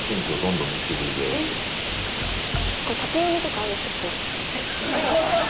これ縦読みとかあるって事ですか？